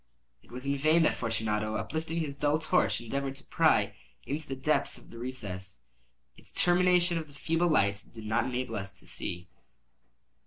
It was in vain that Fortunato, uplifting his dull torch, endeavored to pry into the depths of the recess. Its termination the feeble light did not enable us to see.